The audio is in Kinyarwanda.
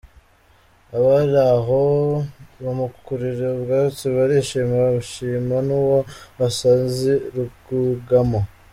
Abari aho bamukurira ubwatsi barishima bashima n’uwo musazi Rwugamo.